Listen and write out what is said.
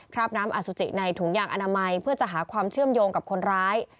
ราบน้ำอสุจิในถุงยางอนามัยเพื่อจะหาความเชื่อมโยงกับคนร้าย